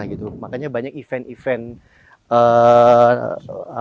jadi kita harus mencari jalan yang lebih tinggi